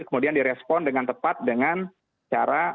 kemudian direspon dengan tepat dengan cara